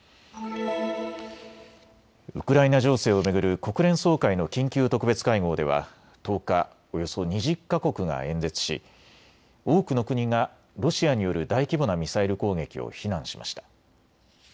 ウクライナ情勢を巡る国連総会の緊急特別会合では１０日、およそ２０か国が演説し、多くの国がロシアによる大規模なミサイル攻撃を非難しました。